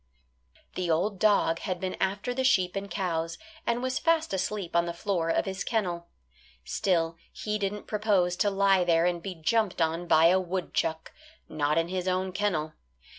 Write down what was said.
The old dog had been after the sheep and cows, and was fast asleep on the floor of his kennel. Still, he didn't propose to lie there and be jumped on by a woodchuck not in his own kennel.